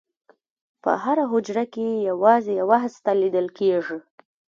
په هره حجره کې یوازې یوه هسته لیدل کېږي.